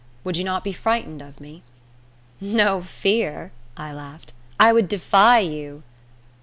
Would you not be frightened of me?" "No fear," I laughed; "I would defy you."